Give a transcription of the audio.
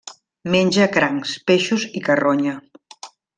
Menja crancs, peixos i carronya.